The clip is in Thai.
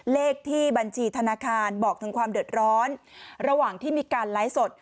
เลขที่บัญชีธนาคารบอกถึงความเดือดร้อนระหว่างที่มีการไลฟ์สด